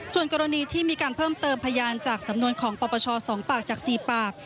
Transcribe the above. ส่วนกรณีที่มีการเพิ่มเติมพยานจากสำนวนของปปช๒ปากจาก๔ปาก